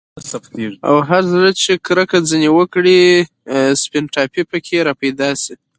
او هر زړه چي ترې كركه وكړي، سپين ټاپى په كي راپيدا شي